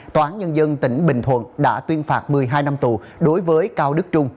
tòa án nhân dân tỉnh bình thuận đã tuyên phạt một mươi hai năm tù đối với cao đức trung